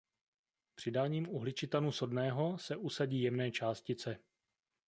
Přidáním uhličitanu sodného se usadí jemné částice.